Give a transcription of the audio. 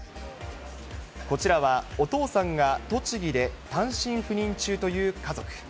こちらはお父さんが栃木で単身赴任中という家族。